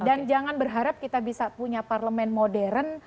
dan jangan berharap kita bisa punya parlemen modern